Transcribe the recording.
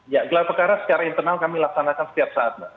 ya gelar perkara secara internal kami laksanakan setiap saat mbak